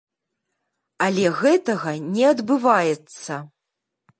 Але гэтага не адбываецца.